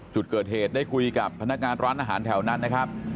จุดเกิดเหตุได้คุยกับพนักงานร้านอาหารแถวนั้นนะครับ